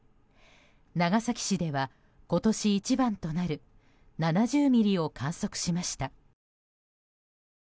長崎市では今年一番となる７０ミリを観測しました。